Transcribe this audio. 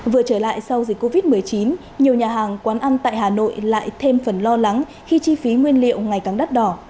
vừa trở lại sau dịch covid một mươi chín nhiều nhà hàng quán ăn tại hà nội lại thêm phần lo lắng khi chi phí nguyên liệu ngày càng đắt đỏ